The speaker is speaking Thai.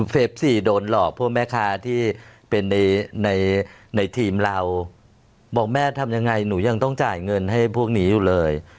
เฟฟ๔โดนหลอกพวกแม่ค้าที่เป็นในทีมเราบอกแม่ทำยังไงหนูยังต้องจ่ายเงินให้พวกนี้อยู่เลย